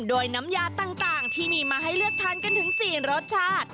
โดยน้ำยาต่างที่มีมาให้เลือกทานกันถึง๔รสชาติ